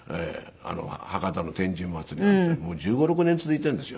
博多の天神まつりなんてもう１５１６年続いているんですよ。